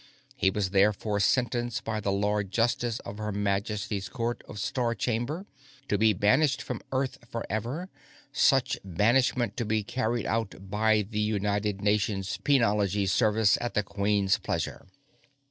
He was therefore sentenced by the Lord Justice of Her Majesty's Court of Star Chamber to be banished from Earth forever, such banishment to be carried out by the United Nations Penology Service at the Queen's pleasure."